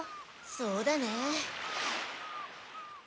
そうだね。